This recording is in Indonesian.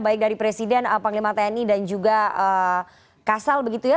baik dari presiden panglima tni dan juga kasal begitu ya